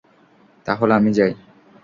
তাহলে, আমি যাই।